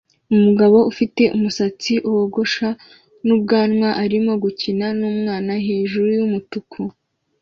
Umugabo ufite umusatsi wogosha n'ubwanwa arimo gukina numwana hejuru yumutuku